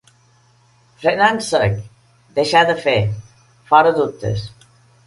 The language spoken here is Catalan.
Frenar en sec, deixar de fer, fora dubtes.